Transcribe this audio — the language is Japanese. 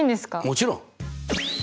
もちろん！